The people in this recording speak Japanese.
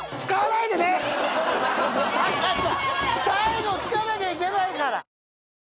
最後聞かなきゃいけないから！